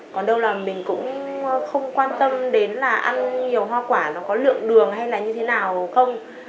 còn đâu là mình cũng không quan tâm đến là ăn nhiều hoa quả nó có lượng đường hay là như thế nào đúng không